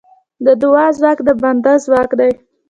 د دعا ځواک د بنده ځواک دی.